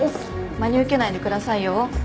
真に受けないでくださいよ。